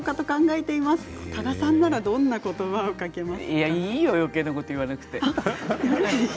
いやいいのよ、よけいなこと言わなくて。